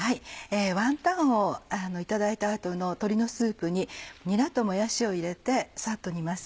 ワンタンをいただいた後の鶏のスープににらともやしを入れてサッと煮ます。